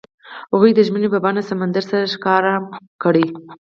هغوی د ژمنې په بڼه سمندر سره ښکاره هم کړه.